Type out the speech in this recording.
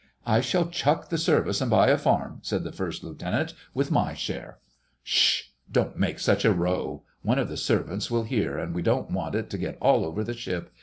"I shall chuck the Service and buy a farm," said the First Lieutenant, "with my share." "S sh! Don't make such a row! One of the Servants will hear, and we don't want it to get all over the ship!